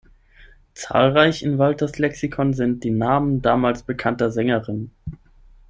Zahlreich in Walthers Lexikon sind die Namen damals bekannter Sängerinnen.